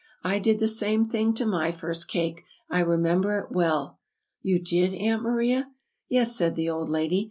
"I did the same thing to my first cake. I remember it well!" "You did, Aunt Maria?" "Yes," said the old lady.